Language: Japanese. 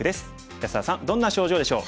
安田さんどんな症状でしょう？